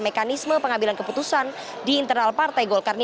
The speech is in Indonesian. mekanisme pengambilan keputusan di internal partai golkar ini